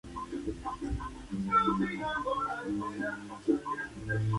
Diego se graduó como ingeniero especialista en ferrocarriles, profesión que no ejerció.